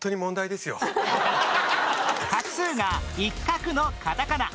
画数が１画のカタカナ